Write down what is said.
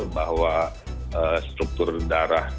bahwa struktur darah